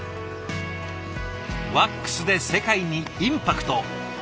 ワックスで世界にインパクトを。